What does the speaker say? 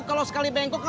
kalau sekali bengkok